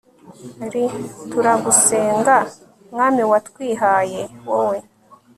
r/ turagusenga mwami watwihaye, wowe